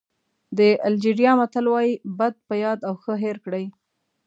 د الجېریا متل وایي بد په یاد او ښه هېر کړئ.